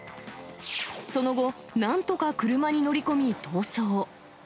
その後、なんとか車に乗り込み、逃走。